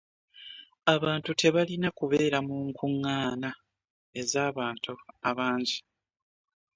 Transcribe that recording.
Abantu tebalina kubeera mu nkungaana ez'abantu abangi.